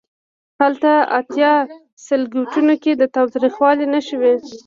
هلته اتیا سلکیټونو کې د تاوتریخوالي نښې وې.